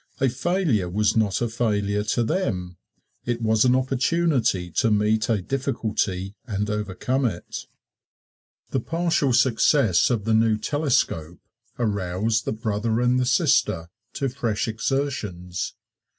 A failure was not a failure to them it was an opportunity to meet a difficulty and overcome it. The partial success of the new telescope aroused the brother and the sister to fresh exertions.